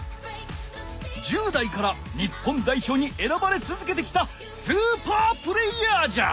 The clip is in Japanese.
１０代から日本代表に選ばれつづけてきたスーパープレーヤーじゃ！